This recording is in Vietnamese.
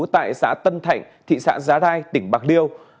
tại xã tân thạnh thị xã giá đai tỉnh bạc điêu